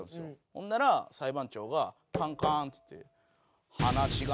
ほんなら裁判長がカンカン！っつって。